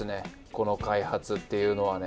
この開発っていうのはね。